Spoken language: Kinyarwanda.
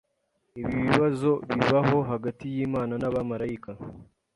Ibi bibazo bibaho hagati yImana nabamarayika